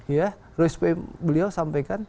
ya roy sam beliau sampaikan